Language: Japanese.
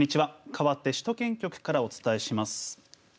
かわって首都圏局からお伝えします。